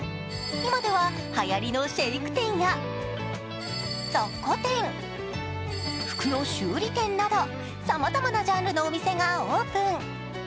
今では、はやりのシェイク店や雑貨店、服の修理店など様々なジャンルのお店がオープン。